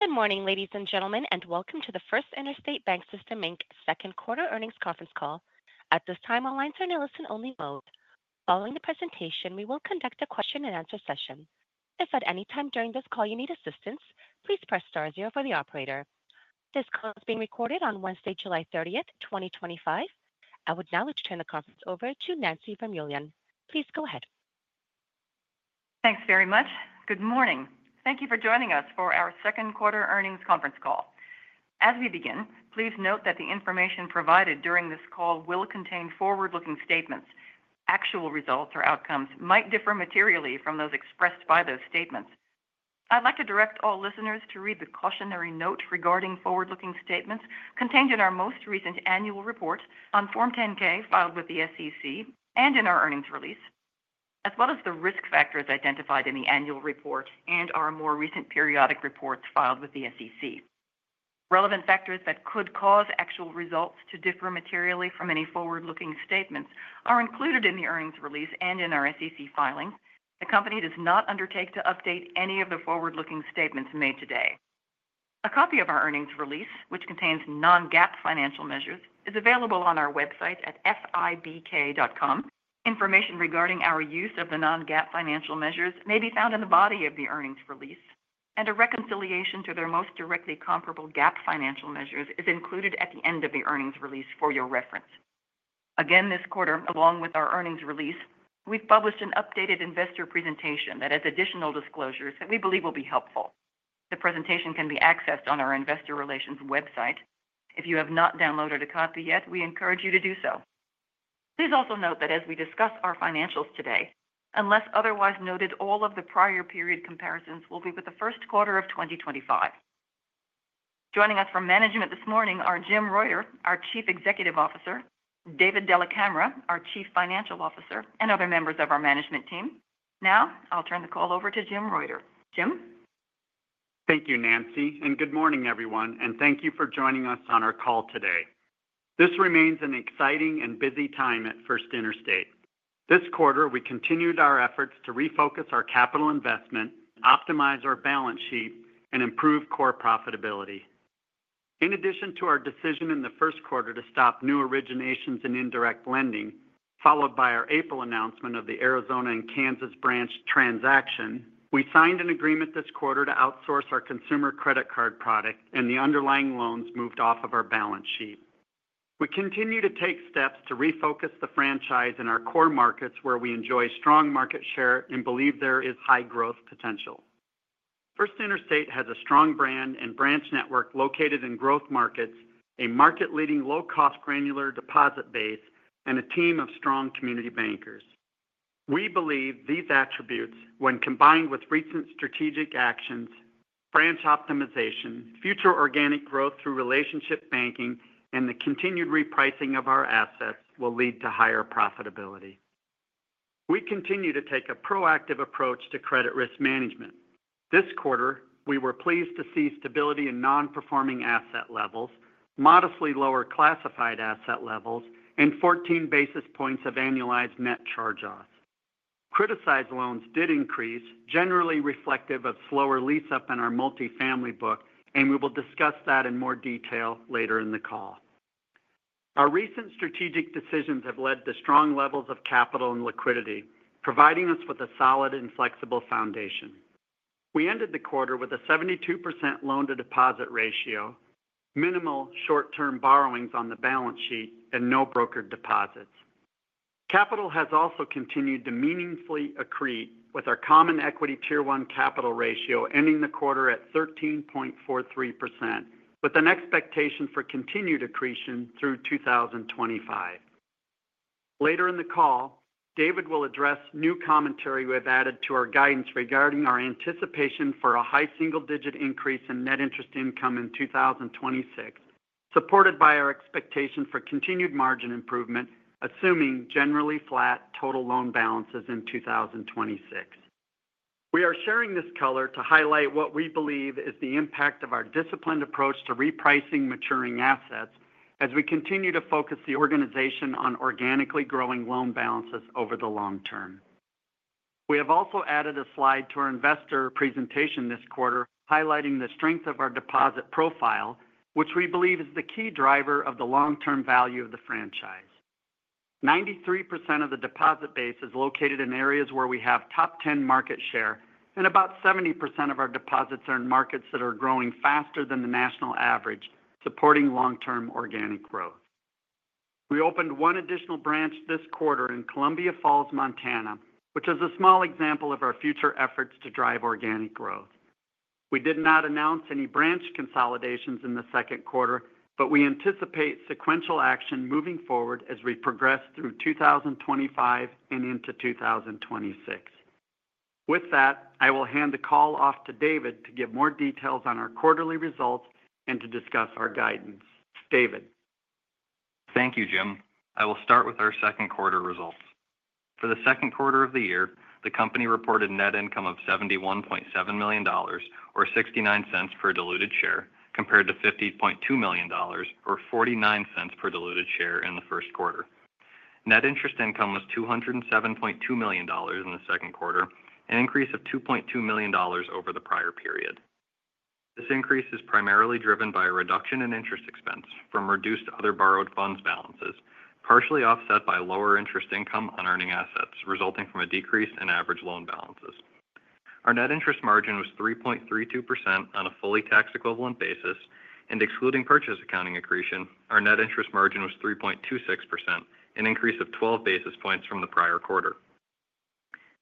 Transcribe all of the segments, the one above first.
Good morning, ladies and gentlemen, and welcome to the First Interstate BancSystem Inc Second Quarter Earnings Conference Call. At this time, all lines are in listen-only mode. Following the presentation, we will conduct a question and answer session. If at any time during this call you need assistance, please press star zero for the operator. This call is being recorded on Wednesday, July 30th, 2025. I would now like to turn the conference over to Nancy Vermeulen. Please go ahead. Thanks very much. Good morning. Thank you for joining us for our Second Quarter Earnings Conference Call. As we begin, please note that the information provided during this call will contain forward-looking statements. Actual results or outcomes might differ materially from those expressed by those statements. I'd like to direct all listeners to read the cautionary note regarding forward-looking statements contained in our most recent annual report on Form 10-K filed with the SEC and in our earnings release, as well as the risk factors identified in the annual report and our more recent periodic reports filed with the SEC. Relevant factors that could cause actual results to differ materially from any forward-looking statements are included in the earnings release and in our SEC filings. The company does not undertake to update any of the forward-looking statements made today. A copy of our earnings release, which contains non-GAAP financial measures, is available on our website at fibk.com. Information regarding our use of the non-GAAP financial measures may be found in the body of the earnings release, and a reconciliation to their most directly comparable GAAP financial measures is included at the end of the earnings release for your reference. Again this quarter, along with our earnings release, we've published an updated investor presentation that has additional disclosures that we believe will be helpful. The presentation can be accessed on our investor relations website. If you have not downloaded a copy yet, we encourage you to do so. Please also note that as we discuss our financials today, unless otherwise noted, all of the prior period comparisons will be with the 1st quarter of 2025. Joining us from management this morning are Jim Reuter, our Chief Executive Officer, David Della Camera, our Chief Financial Officer, and other members of our management team. Now I'll turn the call over to Jim Reuter. Jim, thank you, Nancy, and good morning, everyone, and thank you for joining us on our call today. This remains an exciting and busy time at First Interstate. This quarter, we continued our efforts to refocus our capital investment, optimize our balance sheet, and improve core profitability. In addition to our decision in the 1st quarter to stop new originations and indirect lending, followed by our April announcement of the Arizona and Kansas branch transaction, we signed an agreement this quarter to outsource our consumer credit card product, and the underlying loans moved off of our balance sheet. We continue to take steps to refocus the franchise in our core markets where we enjoy strong market share and believe there is high growth potential. First Interstate has a strong brand and branch network located in growth markets, a market-leading low-cost granular deposit base, and a team of strong community bankers. We believe these attributes, when combined with recent strategic actions, branch optimization, future organic growth through relationship banking, and the continued repricing of our assets, will lead to higher profitability. We continue to take a proactive approach to credit risk management this quarter. We were pleased to see stability in non-performing asset levels, modestly lower classified asset levels, and 14 basis points of annualized net charge-offs. Criticized loans did increase, generally reflective of slower lease-up in our multifamily book, and we will discuss that in more detail later in the call. Our recent strategic decisions have led to strong levels of capital and liquidity, providing us with a solid and flexible foundation. We ended the quarter with a 72% loan-to-deposit ratio, minimal short-term borrowings on the balance sheet, and no brokered deposits. Capital has also continued to meaningfully accrete, with our Common Equity Tier 1 ratio ending the quarter at 13.43%, with an expectation for continued accretion through 2025. Later in the call, David will address new commentary we have added to our guidance regarding our anticipation for a high single-digit increase in net interest income in 2026, supported by our expectation for continued margin improvement, assuming generally flat total loan balances in 2026. We are sharing this color to highlight what we believe is the impact of our disciplined approach to repricing maturing assets as we continue to focus the organization on organically growing loan balances over the long term. We have also added a slide to our investor presentation this quarter highlighting the strength of our deposit profile, which we believe is the key driver of the long-term value of the franchise. 93% of the deposit base is located in areas where we have top 10 market share, and about 70% of our deposits are in markets that are growing faster than the national average, supporting long-term organic growth. We opened one additional branch this quarter in Columbia Falls, Montana, which is a small example of our future efforts to drive organic growth. We did not announce any branch consolidations in the 2nd quarter, but we anticipate sequential action moving forward as we progress through 2025 and into 2026. With that, I will hand the call off to David to give more details on our quarterly results and to discuss our guidance. Thank you, Jim. I will start with our 2nd quarter results. For the 2nd quarter of the year. The company reported net income of $71.7 million or $0.69 per diluted share compared to $50.2 million or $0.49 per diluted share in the 1st quarter. Net interest income was $207.2 million in the 2nd quarter, an increase of $2.2 million over the prior period. This increase is primarily driven by a reduction in interest expense from reduced other borrowed funds balances, partially offset by lower interest income on earning assets resulting from a decrease in average loan balances. Our net interest margin was 3.32% on a fully tax equivalent basis, and excluding purchase accounting accretion, our net interest margin was 3.26%, an increase of 12 basis points from the prior quarter.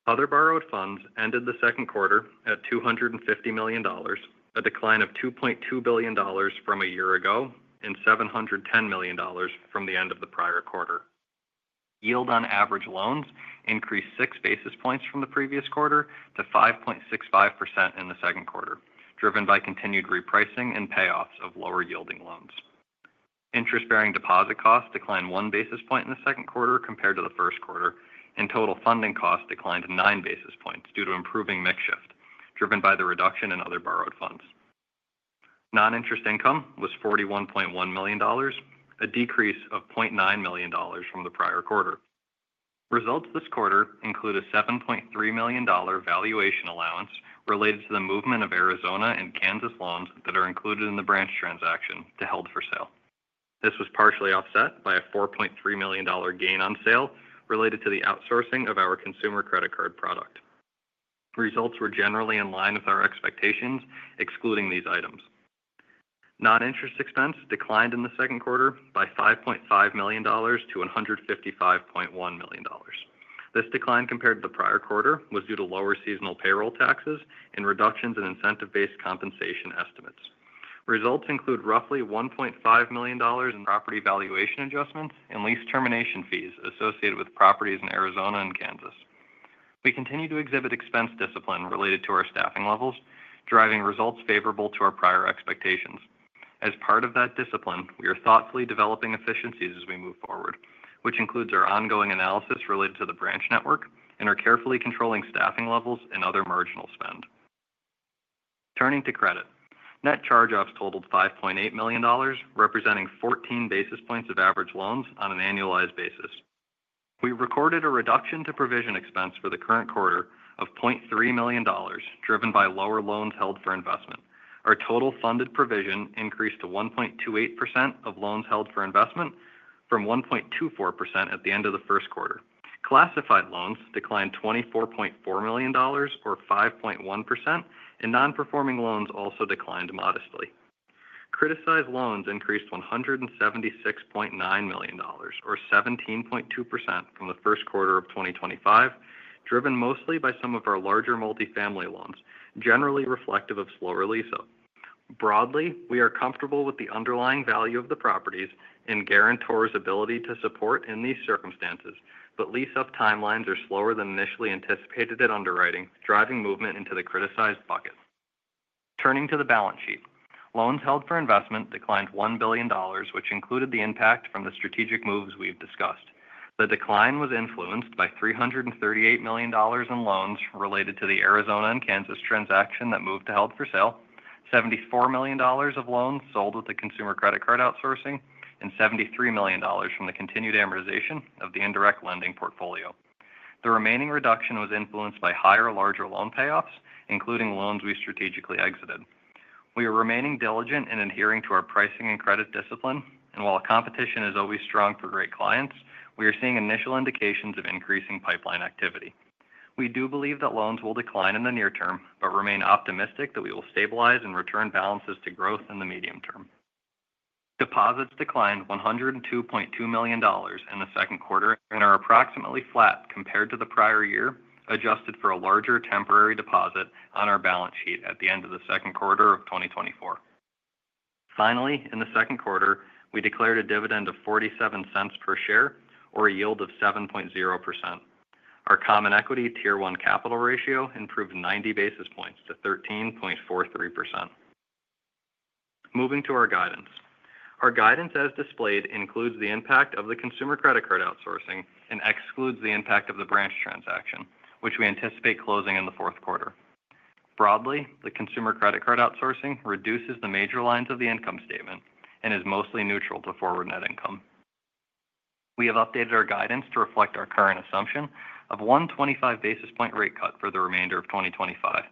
Other borrowed funds ended the second quarter at $250 million, a decline of $2.2 billion from a year ago and $710 million from the end of the prior quarter. Yield on average loans increased 6 basis points from the previous quarter to 5.65% in the 2bd quarter, driven by continued repricing and payoffs of lower yielding loans. Interest bearing deposit costs declined 1 basis point in the 2nd quarter compared to the first quarter, and total funding costs declined 9 basis points due to improving mix shift driven by the reduction in other borrowed funds. Non-interest income was $41.1 million, a decrease of $0.9 million from the prior quarter. Results this quarter include a $7.3 million valuation allowance related to the movement of Arizona and Kansas loans that are included in the branch transaction to held for sale. This was partially offset by a $4.3 million gain on sale related to the outsourcing of our consumer credit card product. Results were generally in line with our expectations. Excluding these items, non-interest expense declined in the 2nd quarter by $5.5 million-$155.1 million. This decline compared to the prior quarter was due to lower seasonal payroll taxes and reductions in incentive-based compensation estimates. Results include roughly $1.5 million in property valuation adjustments and lease termination fees associated with properties in Arizona and Kansas. We continue to exhibit expense discipline related to our staffing levels, driving results favorable to our prior expectations. As part of that discipline, we are thoughtfully developing efficiencies as we move forward, which includes our ongoing analysis related to the branch network and are carefully controlling staffing levels and other marginal spend. Turning to credit, net charge offs totaled $5.8 million, representing 14 basis points of average loans on an annualized basis. We recorded a reduction to provision expense for the current quarter of $0.3 million, driven by lower loans held for investment. Our total funded provision increased to 1.28% of loans held for investment from 1.24% at the end of the 1st quarter. Classified loans declined $24.4 million, or 5.1%, and non-performing loans also declined modestly. Criticized loans increased $76.9 million, or 17.2% from the 1st quarter, driven mostly by some of our larger multifamily loans, generally reflective of slower lease up. Broadly, we are comfortable with the underlying value of the properties and guarantor's ability to support in these circumstances, but lease up timelines are slower than initially anticipated at underwriting, driving movement into the criticized bucket. Turning to the balance sheet, loans held for investment declined $1 billion, which included the impact from the strategic moves we've discussed. The decline was influenced by $338 million in loans related to the Arizona and Kansas transaction that moved to held for sale, $74 million of loans sold with the consumer credit card product outsourcing, and $73 million from the continued amortization of the indirect lending portfolio. The remaining reduction was influenced by higher larger loan payoffs, including loans we strategically exited. We are remaining diligent in adhering to our pricing and credit discipline, and while competition is always strong for great clients, we are seeing initial indications of increasing pipeline activity. We do believe that loans will decline in the near term, but remain optimistic that we will stabilize and return balances to growth in the medium term. Deposits declined $102.2 million in the 2nd quarter and are approximately flat compared to the prior year, adjusted for a larger temporary deposit on our balance sheet at the end of the 2nd quarter of 2024. Finally, in the 2nd quarter we declared a dividend of $0.47 per share or a yield of 7.0%. Our Common Equity Tier 1 ratio improved 90 basis points to 13.43%. Moving to our guidance. Our guidance as displayed includes the impact of the consumer credit card outsourcing and excludes the impact of the branch transaction, which we anticipate closing in the 4th quarter. Broadly, the consumer credit card outsourcing reduces the major lines of the income statement and is mostly neutral to forward net income. We have updated our guidance to reflect our current assumption of a 125 basis point rate cut for the remainder of 2025.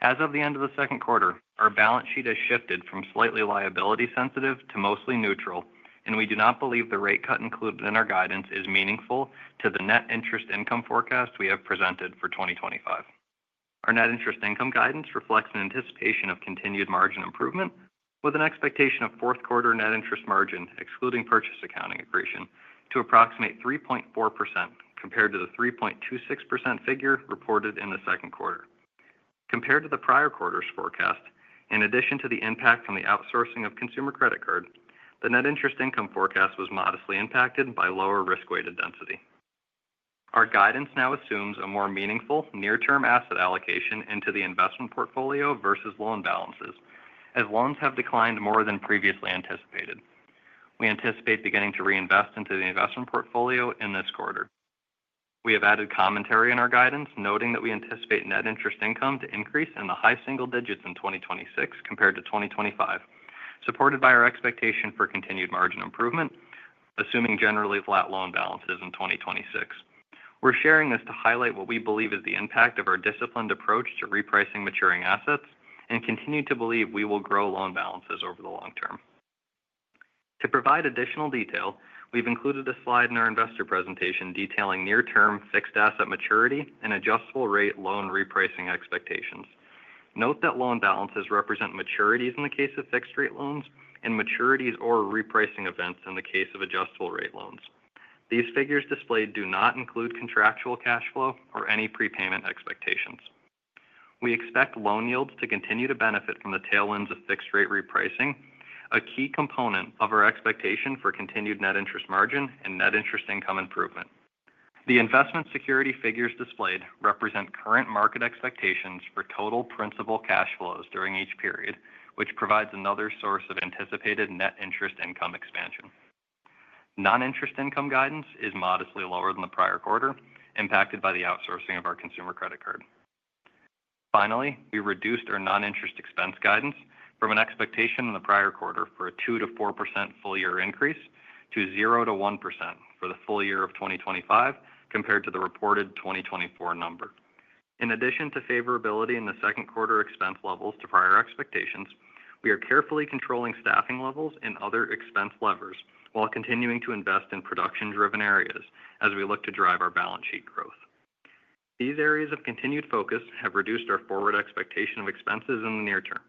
As of the end of the 2nd quarter, our balance sheet has shifted from slightly liability sensitive to mostly neutral, and we do not believe the rate cut included in our guidance is meaningful to the net interest income forecast we have presented for 2025. Our net interest income guidance reflects an anticipation of continued margin improvement, with an expectation of fourth quarter net interest margin excluding purchase accounting accretion to approximate 3.4% compared to the 3.26% figure reported in the 2nd quarter compared to the prior quarter's forecast. In addition to the impact from the outsourcing of consumer credit card, the net interest income forecast was modestly impacted by lower risk weighted density. Our guidance now assumes a more meaningful near term asset allocation into the investment portfolio versus loan balances, as loans have declined more than previously anticipated. We anticipate beginning to reinvest into the investment portfolio in this quarter. We have added commentary in our guidance noting that we anticipate net interest income to increase in the high single digits in 2026 compared to 2025, supported by our expectation for continued margin improvement assuming generally flat loan balances in 2026. We're sharing this to highlight what we believe is the impact of our disciplined approach to repricing maturing assets and continue to believe we will grow loan balances over the long term. To provide additional detail, we've included a slide in our investor presentation detailing near term fixed asset maturity and adjustable rate loan repricing expectations. Note that loan balances represent maturities in the case of fixed rate loans and maturities or repricing events in the case of adjustable rate loans. These figures displayed do not include contractual cash flow or any prepayment expectations. We expect loan yields to continue to benefit from the tailwinds of fixed rate repricing, a key component of our expectation for continued net interest margin and net interest income improvement. The investment security figures displayed represent current market expectations for total principal cash flows during each period, which provides another source of anticipated net interest income expansion. Non-interest income guidance is modestly lower than the prior quarter, impacted by the outsourcing of our consumer credit card product. Finally, we reduced our non-interest expense guidance from an expectation in the prior quarter for a 2%-4% full year increase to 0%-1% for the full year of 2025 compared to the reported 2024 number. In addition to favorability in the 2nd quarter expense levels to prior expectations, we are carefully controlling staffing levels and other expense levers while continuing to invest in production driven areas as we look to drive our balance sheet growth. These areas of continued focus have reduced our forward expectation of expenses in the near term.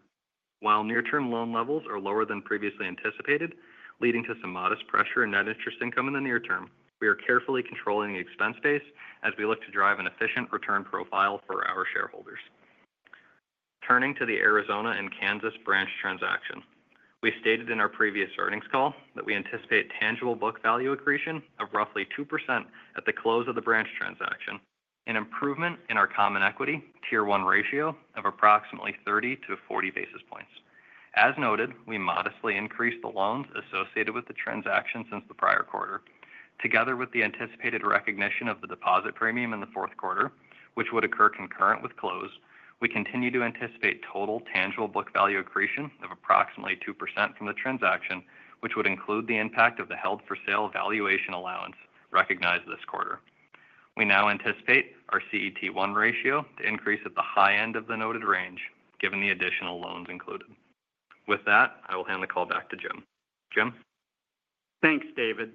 While near term loan levels are lower than previously anticipated, leading to some modest pressure in net interest income in the near term, we are carefully controlling the expense base as we look to drive an efficient return profile for our shareholders. Turning to the Arizona and Kansas branch transaction, we stated in our previous earnings call that we anticipate tangible book value accretion of roughly 2% at the close of the branch transaction, an improvement in our Common Equity Tier 1 ratio of approximately 30-40 basis points. As noted, we modestly increased the loans associated with the transaction since the prior quarter, together with the anticipated recognition of the deposit premium in the 4th quarter, which would occur concurrent with close. We continue to anticipate total tangible book value accretion of approximately 2% from the transaction, which would include the impact of the held for sale valuation allowance recognized this quarter. We now anticipate our CET1 ratio to increase at the high end of the noted range given the additional loans included. With that, I will hand the call back to Jim. Thanks, David.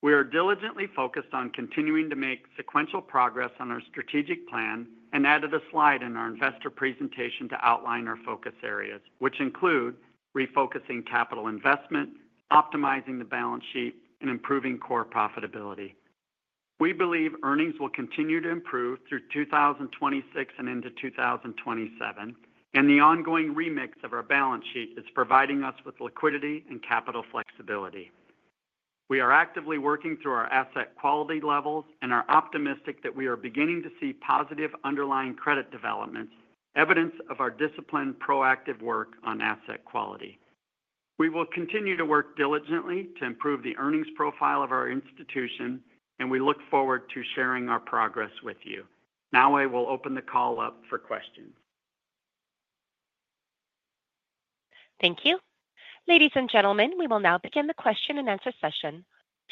We are diligently focused on continuing to make sequential progress on our strategic plan and added a slide in our investor presentation to outline our focus areas, which include refocusing capital investment, optimizing the balance sheet, and improving core profitability. We believe earnings will continue to improve through 2026 and into 2027, and the ongoing remix of our balance sheet is providing us with liquidity and capital flexibility. We are actively working through our asset quality levels and are optimistic that we are beginning to see positive underlying credit developments, evidence of our disciplined, proactive work on asset quality. We will continue to work diligently to improve the earnings profile of our institution, and we look forward to sharing our progress with you. Now I will open the call up for questions. Thank you, ladies and gentlemen. We will now begin the question and answer session.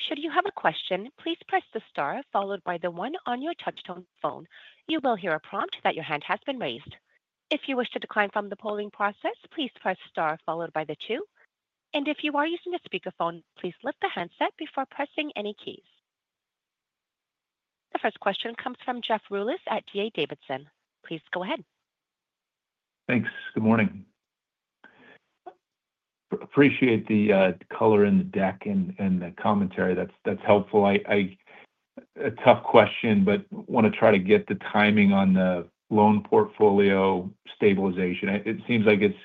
Should you have a question, please press the star followed by the one on your touchtone phone. You will hear a prompt that your hand has been raised. If you wish to decline from the polling process, please press star followed by the two. If you are using a speakerphone, please lift the handset before pressing any keys. The 1st question comes from Jeff Rulis at D.A. Davidson. Please go ahead. Thanks. Good morning. Appreciate the color in the deck and the commentary. That's helpful. A tough question, but want to try to get the timing on the loan portfolio stabilization. It seems like it's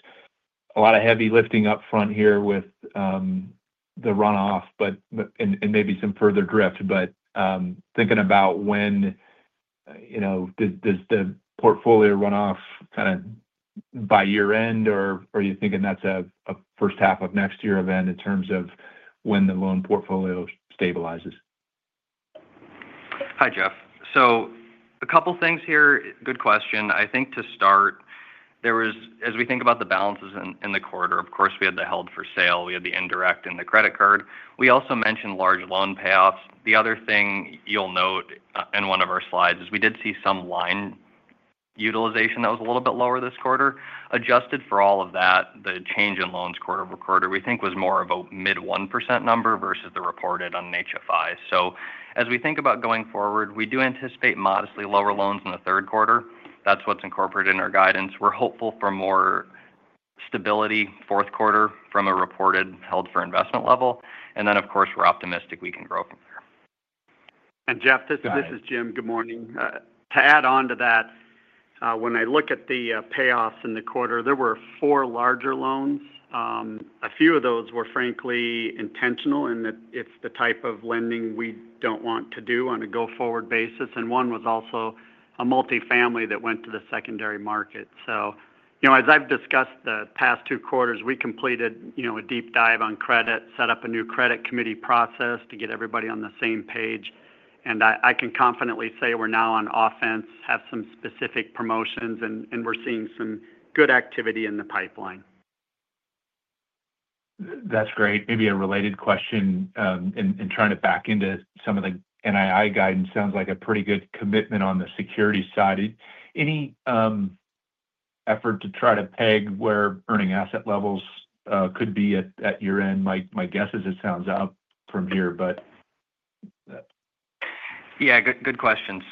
a lot of heavy lifting up front here with the runoff, and maybe some further drift, but thinking about when, you know, does the portfolio run off kind of by year end, or are you thinking that's a 1st half of next year event in terms of when the loan portfolio stabilizes? Hi Jeff. A couple things here, good question. I think to start, as we think about the balances in the quarter, of course we had the held for sale, we had the indirect and the credit card. We also mentioned large loan payoffs. The other thing you'll note in one of our slides is we did see some line utilization that was a little bit lower this quarter. Adjusted for all of that, the change in loans quarter-over-quarter we think was more of a mid 1% number versus the reported on HFI. As we think about going forward, we do anticipate modestly lower loans in the 3rd quarter. That's what's incorporated in our guidance. We're hopeful for more stability 4th quarter from a reported held for investment level, and then of course we're optimistic we can grow from there. Jeff, this is Jim. Good morning. To add on to that, when I look at the payoffs in the quarter, there were four larger loans. A few of those were frankly intentional in that it's the type of lending we don't want to do on a go forward basis. One was also a multifamily that went to the secondary market. As I've discussed the past two quarters, we completed a deep dive on credit, set up a new credit committee process to get everybody on the same page. I can confidently say we're now on offense, have some specific promotions, and we're seeing some good activity in the pipeline. That's great. Maybe a related question, and trying to back into some of the NII guidance, sounds like a pretty good commitment. On the security side, any effort to try to peg where earning asset levels could be at year end? My guess is it sounds out from here. But. Yeah, good question.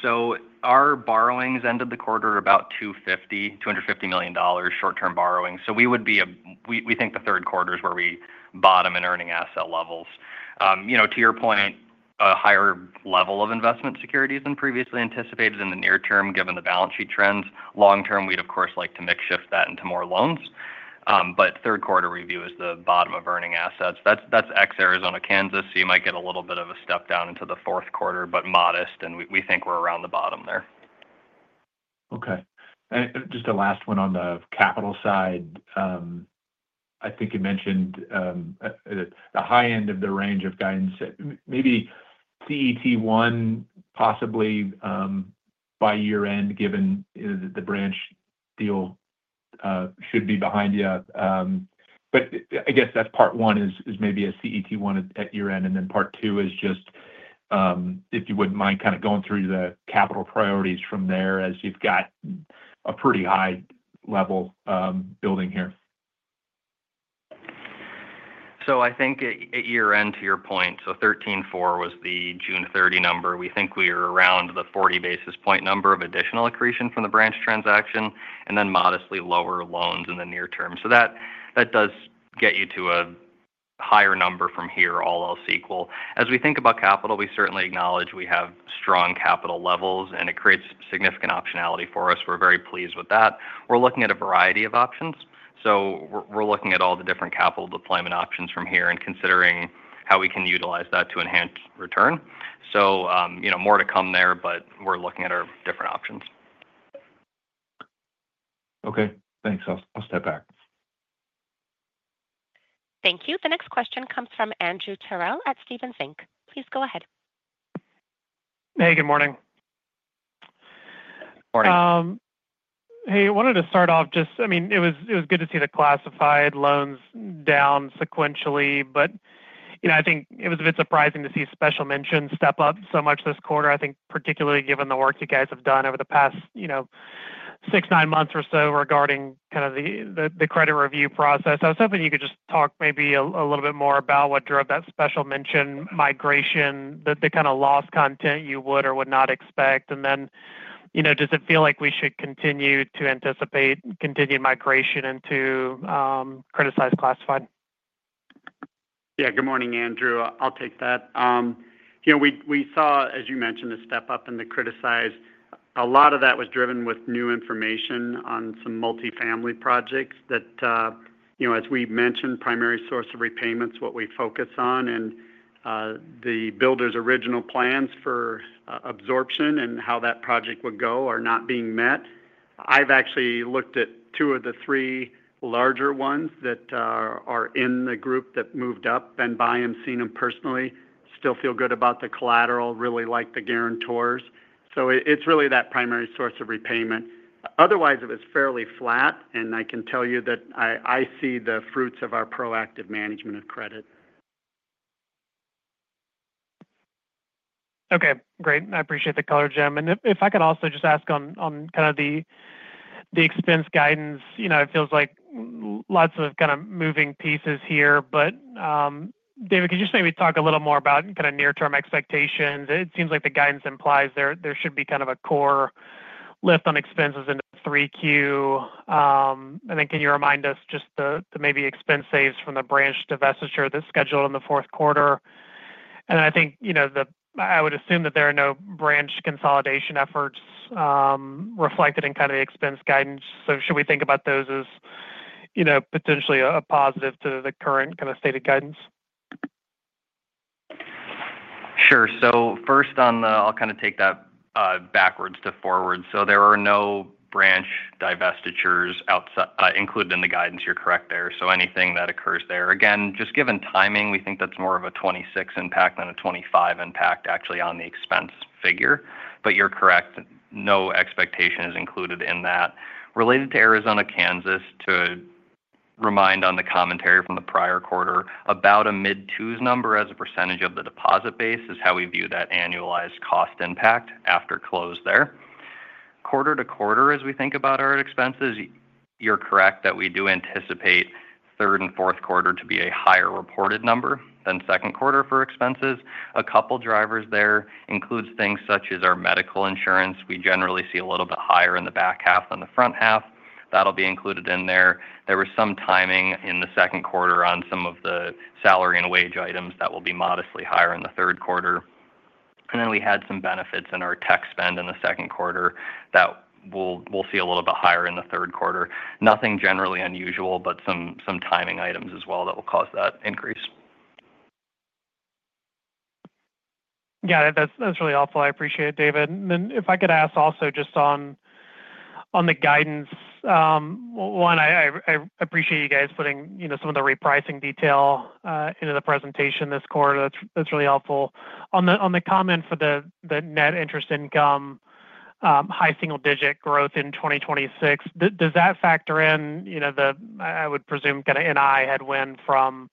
Our borrowings ended the quarter at about $250 million short-term borrowing. We think the 3rd quarter is where we bottom in earning asset levels. To your point, a higher level of investment securities than previously anticipated in the near term given the balance sheet trends. Long term, we'd of course like to mix shift that into more loans. 3rd quarter view is the bottom of earning assets. That's ex Arizona, Kansas, so you might get a little bit of a step down into the fourth quarter, but modest, and we think we're around the bottom there. Okay, just a last one on the capital side. I think you mentioned the high end of the range of guidance, maybe CET1 possibly by year end given the branch deal should be behind you. I guess that's part one, is maybe a CET1 at year end, and then part two is just if you wouldn't mind kind of going through the capital priorities from there as you've got a pretty high level building here. I think at your end to your point, 134 was the June 30 number. We think we are around the 40 basis point number of additional accretion from the branch transaction and then modestly lower loans in the near term. That does get you to a higher number from here, all else equal. As we think about capital, we certainly acknowledge we have strong capital levels and it creates significant optionality for us. We're very pleased with that. We're looking at a variety of options. We're looking at all the different capital deployment options from here and considering how we can utilize that to enhance return. More to come there. We're looking at our different options. Okay, thanks. I'll step back. Thank you. The next question comes from Andrew Terrell at Stephens Inc. Please go ahead. Hey, good morning. Morning. Hey. I wanted to start off just, I mean it was good to see the classified loans down sequentially. I think it was a bit surprising to see special mention step up so much this quarter. I think particularly given the work you guys have done over the past six, nine months or so regarding kind of the credit review process. I was hoping you could just talk maybe a little bit more about what drove that special mention migration, the kind of loss content you would or would not expect. Does it feel like we should continue to anticipate continued migration into criticized classified? Yeah. Good morning, Andrew. I'll take that. We saw, as you mentioned, a step up in the criticized. A lot of that was driven with new information on some multifamily projects that, as we mentioned, primary source of repayments, what we focus on and the builder's original plans for absorption and how that project would go are not being met. I've actually looked at two of the three larger ones that are in the group that moved up, been by them, seen them personally, still feel good about the collateral, really like the guarantors. It's really that primary source of repayment. Otherwise, it was fairly flat. I can tell you that I see the fruits of our proactive management of credit. Okay, great. I appreciate the color, Jim, and if I could also just ask on kind of the expense guidance. It feels like lots of kind of moving pieces here, but David, could you just maybe talk a little more about kind of near-term expectations? It seems like the guidance implies there should be kind of a core lift on expenses in 3Q, and then can you remind us just maybe the expense saves from the branch divestiture that's scheduled in the 4th quarter? I think I would assume that there are no branch consolidation efforts reflected in kind of the expense guidance. Should we think about those as potentially a positive to the current kind of stated guidance? Sure. First, I'll kind of take that backwards to forward. There are no branch divestitures included in the guidance. You're correct there. Anything that occurs there, again just given timing, we think that's more of a 2026 impact than a 2025 impact actually on the expense figure, but you're correct, no expectation is included in that. Related to Arizona and Kansas, to remind on the commentary from the prior quarter about a mid 2s number as a percentage of the deposit base is how we view that annualized cost impact after close there. Quarter to quarter, as we think about our expenses, you're correct that we do anticipate 3rd and 4th quarter to be a higher reported number than 2nd quarter for expenses. A couple drivers there include things such as our medical insurance. We generally see a little bit higher in the back half than the front half; that'll be included in there. There was some timing in the second quarter on some of the salary and wage items that will be modestly higher in the 3rd quarter. Then we had some benefits in our tech spend in the 2nd quarter that we'll see a little bit higher in the 3rd quarter. Nothing generally unusual, but some timing items as well that will cause that increase. Got it. That's really helpful. I appreciate it, David. If I could ask also just on the guidance, I appreciate you guys putting some of the repricing detail into the presentation this quarter. That's really helpful. On the comment for the net interest income high single digit growth in 2026, does that factor in, I would presume, kind of NII headwind from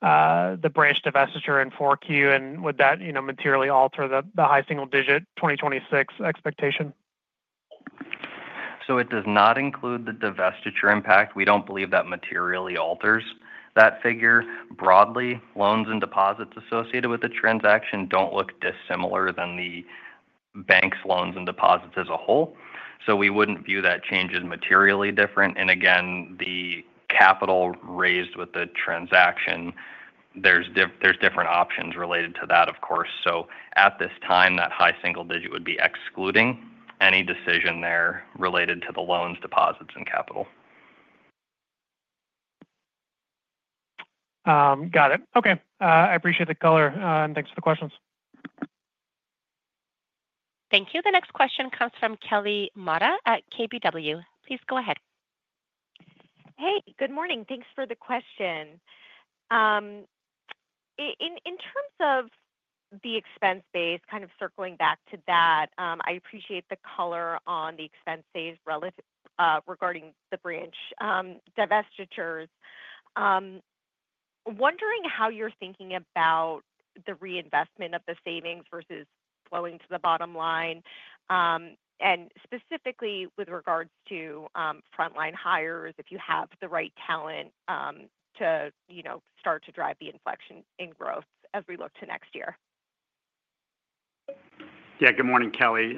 the branch divestiture in 4Q, and would that materially alter the high single digit 2026 expectation? It does not include the divestiture impact. We don't believe that materially alters that figure. Broadly, loans and deposits associated with the transaction don't look dissimilar than the bank's loans and deposits as a whole. We wouldn't view that change as materially different. Again, the capital raised with the transaction, there's different options related to that, of course. At this time, that high single digit would be excluding any decision there related to the loans, deposits, and capital. Got it. Okay, I appreciate the color and thanks for the questions. Thank you. The next question comes from Kelly Motta at KBW. Please go ahead. Hey, good morning. Thanks for the question. In terms of the expense base, kind of circling back to that, I appreciate the color on the expense saves regarding the branch divestitures. Wondering how you're thinking about the reinvestment of the savings versus flowing to the bottom line. Specifically, with regards to frontline hires, if you have the right talent to, you know, start to drive the inflection in growth as we look to next year. Good morning, Kelly.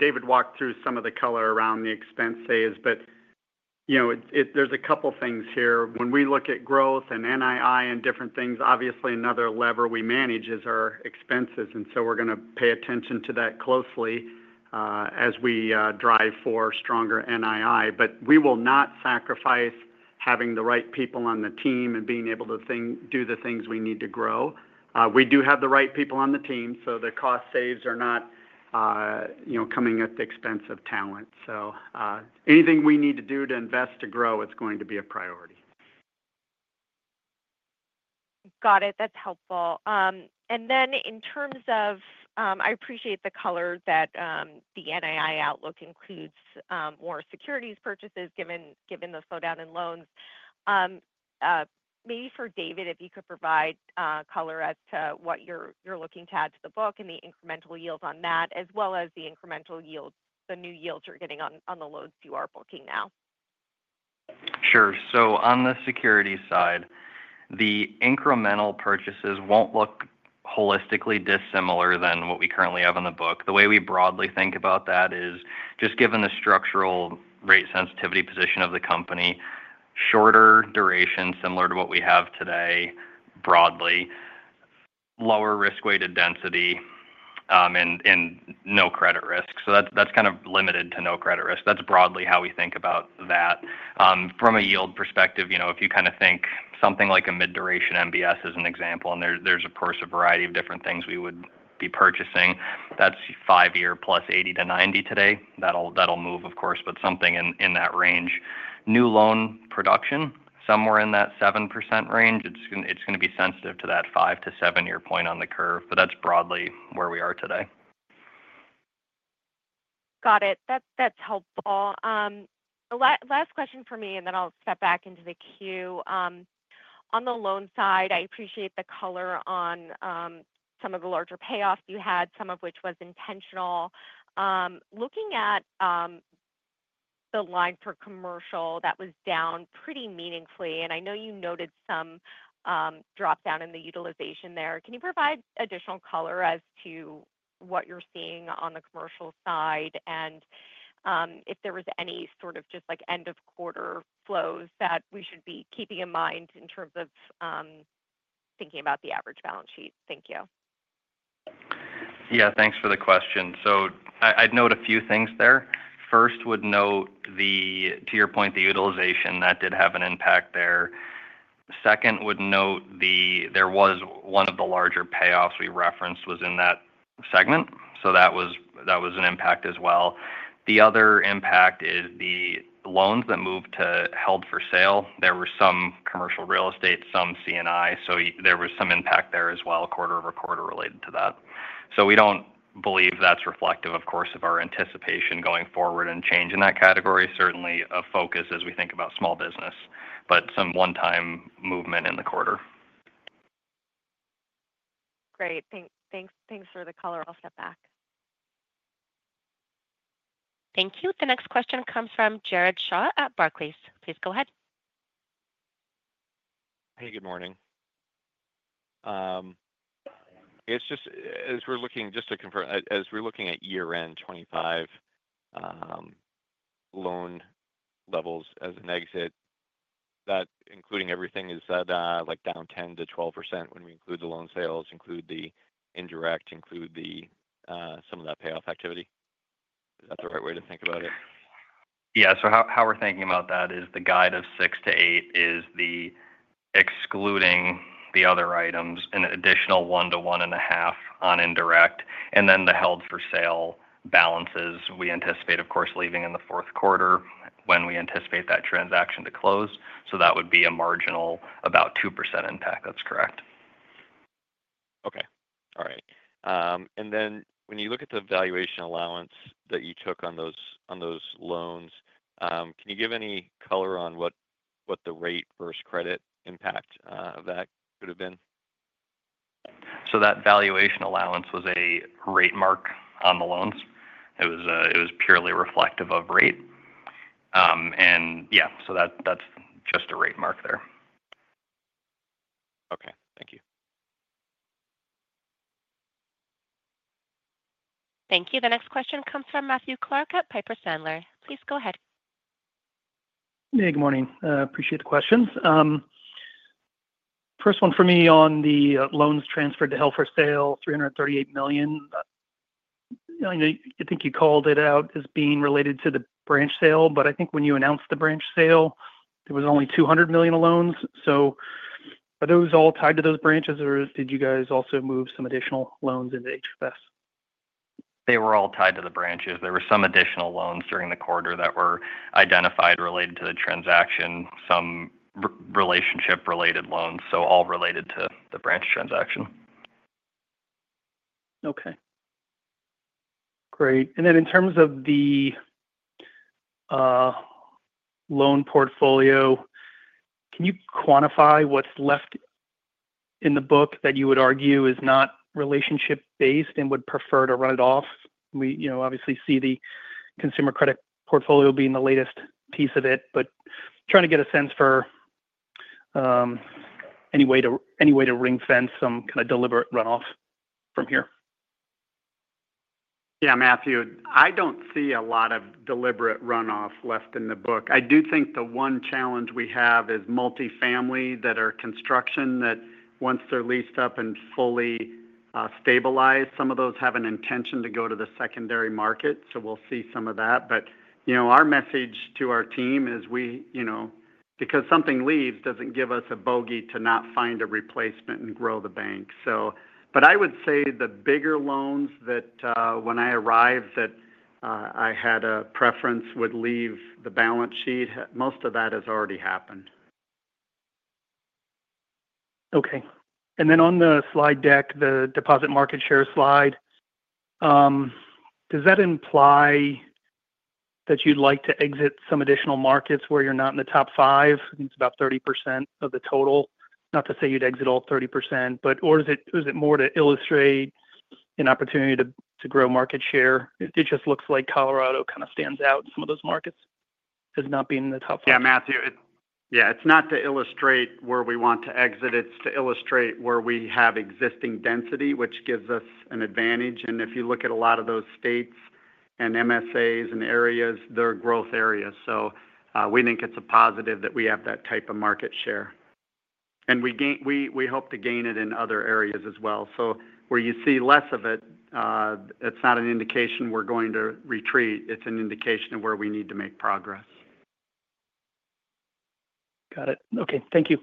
David walked through some of the color around the expense saves. There are a couple things here. When we look at growth and NII and different things, obviously another lever we manage is our expenses. We're going to pay attention to that closely as we drive for stronger NII. We will not sacrifice having the right people on the team and being able to do the things we need to grow. We do have the right people on the team. The cost saves are not coming at the expense of talent. Anything we need to do to invest, to grow, it's going to be a priority. Got it. That's helpful. In terms of I appreciate the color that the NII outlook includes more securities purchases given the slowdown in loans. Maybe for David, if you could provide color as to what you're looking to add to the book and the incremental yield on that as well as the incremental yield, the new yields you're getting on the loans you are booking now. Sure. On the security side, the incremental purchases won't look holistically dissimilar than what we currently have in the book. The way we broadly think about that is just given the structural rate sensitivity position of the company, shorter duration similar to what we have today, broadly lower risk weighted density and no credit risk. That's kind of limited to no credit risk. That's broadly how we think about that from a yield perspective. If you think something like a mid duration MBS is an example and there's of course a variety of different things we would be purchasing that's five year plus 80-90 today. That'll move, of course, but something in that range, new loan production, somewhere in that 7% range. It's going to be sensitive to that five to seven year point on the curve, but that's broadly where we are today. Got it. That's helpful. Last question for me and then I'll step back into the queue. On the loan side, I appreciate the color on some of the larger payoffs you had, some of which was intentional. Looking at the line for commercial, that was down pretty meaningfully and I know you noted some drop down in the utilization there. Can you provide additional color as to what you're seeing on the commercial side and if there was any sort of just like end of quarter flows that we should be keeping in mind in terms of thinking about the average balance sheet. Thank you. Yeah, thanks for the question. I'd note a few things there. First, would note, to your point, the utilization that did have an impact there. Second, would note there was one of the larger payoffs we referenced was in that segment. That was an impact as well. The other impact is the loans that moved to held for sale. There were some commercial real estate, some C&I. There was some impact there as well, quarter-over-quarter related to that. We don't believe that's reflective, of course, of our anticipation going forward and change in that category. Certainly a focus as we think about small business, but some one-time movement in the quarter. Great, thanks for the color. I'll step back. Thank you. The next question comes from Jared Shaw at Barclays. Please go ahead. Hey, good morning. Just as we're looking, just to confirm as we're looking at year end 2025 loan levels as an exit, that including everything is like down 10-12% when we include the loan sales, include the indirect, include some of that payoff activity. Is that the right way to think about it? Yeah. How we're thinking about that is the guide of 6-8% is excluding the other items, an additional 1-1.5% on indirect. The held for sale balances we anticipate, of course, leaving in the fourth quarter when we anticipate that transaction to close. That would be a marginal about 2% impact. That's correct. Okay. All right. When you look at the valuation allowance that you took on those loans, can you give any color on what the rate versus credit impact of that could have been? That valuation allowance was a rate mark on the loans. It was purely reflective of rate. Yeah, that's just a rate mark there. Okay, thank you. Thank you. The next question comes from Matthew Clark at Piper Sandler. Please go ahead. Good morning. Appreciate the questions. First one for me on the loans transferred to held for sale, $338 million, I think you called it out as being related to the branch sale, but. I think when you announced the branch. Sale, there was only $200 million of loans. Are those all tied to those? Branches or did you guys also move? Some additional loans into HFS? They were all tied to the branches. There were some additional loans during the quarter that were identified related to the transaction, some relationship related loans. All related to the branch transaction. Okay, great. In terms of the loan portfolio, can you quantify what's left in the book that you would argue is not relationship based and would prefer to run it off? We obviously see the consumer credit card product portfolio being the latest piece of. Trying to get a sense. For. Any way to ring fence some kind of deliberate runoff from here. Yeah, Matthew, I don't see a lot of deliberate runoff left in the book. I do think the one challenge we have is multifamily that are construction that once they're leased up and fully stabilized, some of those have an intention to go to the secondary market. We'll see some of that. Our message to our team is we, you know, because something leaves, doesn't give us a bogey to not find a replacement and grow the bank. I would say the bigger loans that when I arrived that I had a preference would leave the balance sheet, most of that has already happened. Okay. On the slide deck, the deposit market share slide, does that imply that you'd like to exit some additional markets where you're not in the top five? It's about 30% of the total. Not to say you'd exit all 30%, but is it more to illustrate an opportunity to grow market share? It just looks like Colorado kind of stands out, some of those markets as. Not being the top. Yeah, Matthew. It's not to illustrate where we want to exit, it's to illustrate where we have existing density, which gives us. If you look at a lot of those states and MSAs and areas, they're growth areas. We think it's a positive that we have that type of market share, and we hope to gain it in other areas as well. Where you see less of it, it's not an indication we're going to retreat. It's an indication of where we need to make progress. Got it. Okay, thank you.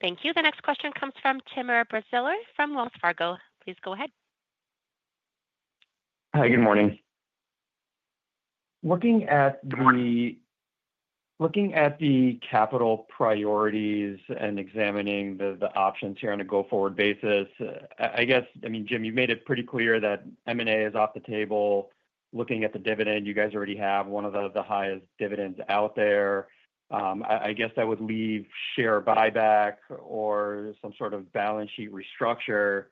Thank you. The next question comes from Timur Braziler from Wells Fargo. Please go ahead. Hi, good morning. Looking at the capital priorities and examining the options here on a go forward basis, I guess. I mean, Jim, you made it pretty clear that M&A is off the table. Looking at the dividend, you guys already have one of the highest dividends out there. I guess that would leave share buyback or some sort of balance sheet restructure.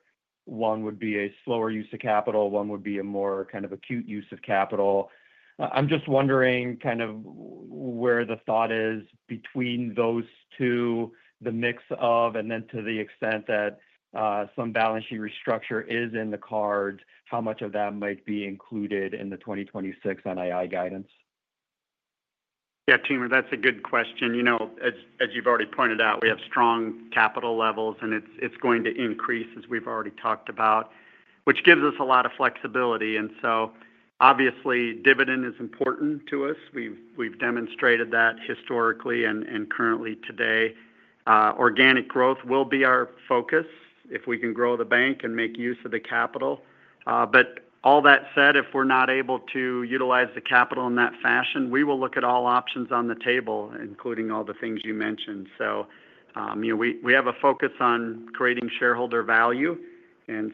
One would be a slower use of capital, one would be a more kind of acute use of capital. I'm just wondering kind of where the thought is between those two, the mix of. To the extent that some balance sheet restructure is in the cards, how much of that might be included in the 2026 NII guidance? Yeah, Timur, that's a good question. As you've already pointed out, we have strong capital levels and it's going to increase, as we've already talked about, which gives us a lot of flexibility. Obviously, dividend is important to us. We've demonstrated that historically and currently today. Organic growth will be our focus if we can grow the bank and make use of the capital. All that said, if we're not able to utilize the capital in that fashion, we will look at all options on the table, including all the things you mentioned. We have a focus on creating shareholder value and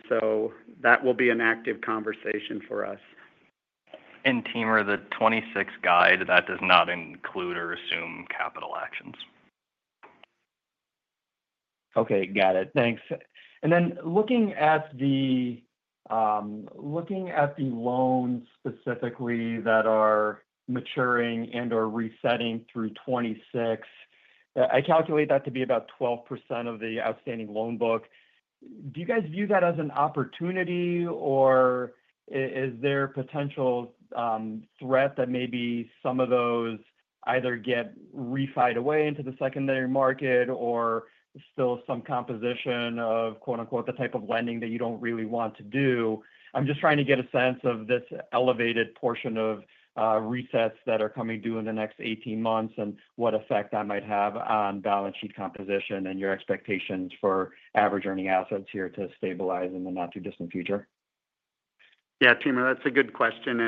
that will be an active conversation for us and team. Or the 2026 guide that does not include or assume capital actions. Okay, got it, thanks. Looking at the loans specifically that are maturing and or resetting through 2026, I calculate that to be about 12% of the outstanding loan book. Do you guys view that as an opportunity, or is there potential threat that maybe some of those either get refi'd right away into the secondary market, or still some composition of, quote unquote, the type of lending that you don't really want to do? I'm just trying to get a sense. Of this elevated portion of resets that are coming due in the next 18 months and what effect that might have on balance sheet composition and your expectations for average earning assets here to stabilize in the not too distant future? Yeah, Timur, that's a good question.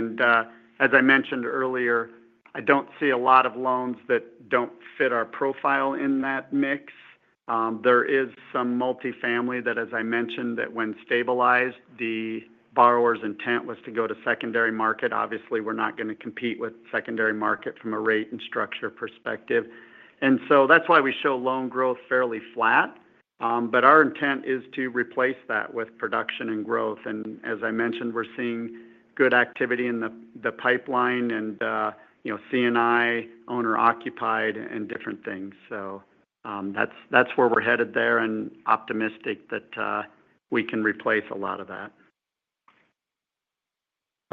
As I mentioned earlier, I don't see a lot of loans that don't fit our profile in that mix. There is some multifamily that, as I mentioned, when stabilized the borrower's intent was to go to secondary market. Obviously, we're not going to compete with secondary market from a rate and structure perspective. That's why we show loan growth fairly flat. Our intent is to replace that with production and growth. As I mentioned, we're seeing good activity in the pipeline and, you know, CNI owner occupied and different things. That's where we're headed there and optimistic that we can replace a lot of that.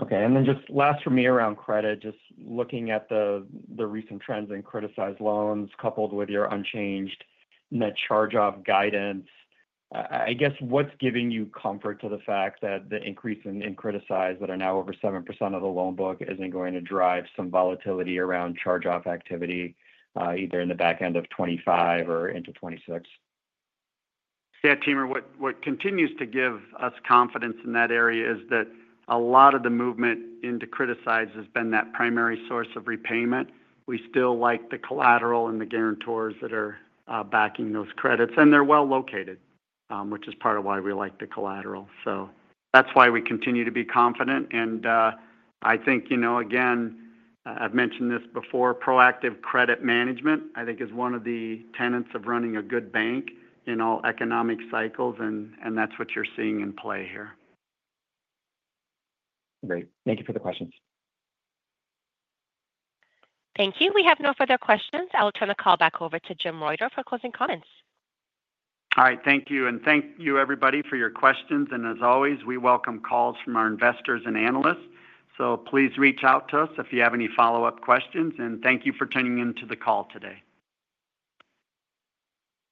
Okay. Just last for me around. Credit, just looking at the recent trends in criticized loans coupled with your unchanged net charge-off guidance, I guess what's giving you comfort is the fact that the increase in criticized that are now over 7% of the loan book is going to drive some volatility around charge-off activity either in the back end of 2025 or into 2026. Yeah. Timur, what continues to give us confidence in that area is that a lot of the movement into criticized has been that primary source of repayment. We still like the collateral and the guarantors that are backing those credits, and they're well located, which is part of why we like the collateral. That's why we continue to be confident. I think, you know, I've mentioned this before, proactive credit management is one of the tenets of running a good bank in all economic cycles. That's what you're seeing in play here. Great. Thank you for the questions. Thank you. We have no further questions. I will turn the call back over to Jim Reuter for closing comments. All right, thank you and thank you everybody for your questions. As always, we welcome calls from our investors and analysts. Please reach out to us if you have any follow up questions, and thank you for tuning into the call today.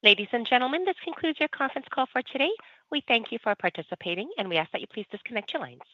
Ladies and gentlemen, this concludes your conference call for today. We thank you for participating, and we ask that you please disconnect your lines.